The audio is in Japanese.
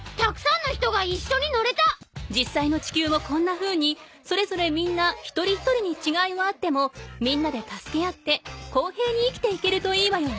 じっさいの地球もこんなふうにそれぞれみんな一人一人にちがいはあってもみんなで助け合って公平に生きていけるといいわよね。